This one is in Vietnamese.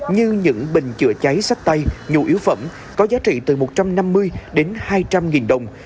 như những bình chữa cháy sách tay nhu yếu phẩm có giá trị từ một trăm năm mươi đến hai trăm linh nghìn đồng